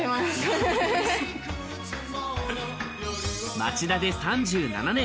町田で３７年。